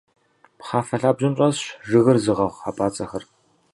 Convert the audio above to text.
Пхъафэ лъабжьэм щӏэсщ жыгыр зыгъэгъу хьэпӏацӏэхэр.